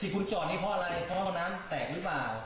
คุณไปไม่ได้รึเปล่า